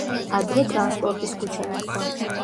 ადრე ტრანსპორტის ქუჩა ერქვა.